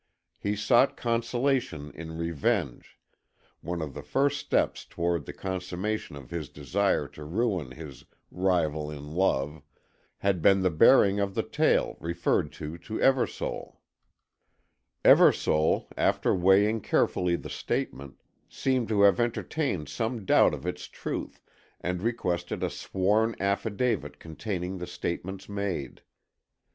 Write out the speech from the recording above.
He sought consolation in revenge; one of the first steps toward the consummation of his desire to ruin his "rival in love" had been the bearing of the tale referred to to Eversole. Eversole, after weighing carefully the statement, seemed to have entertained some doubt of its truth, and requested a sworn affidavit containing the statements made.